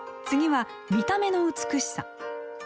次は見た目の美しさ。